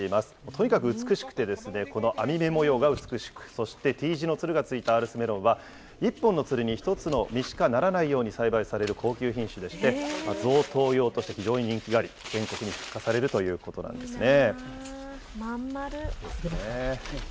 とにかく美しくて、この網目模様が美しく、そして、Ｔ字のつるがついたアールスメロンは、１本のつるに１つの実しかならないように栽培される高級品種でして、贈答用として非常に人気があり、全国に出荷されるということなんですね。